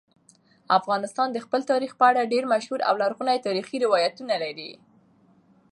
افغانستان د خپل تاریخ په اړه ډېر مشهور او لرغوني تاریخی روایتونه لري.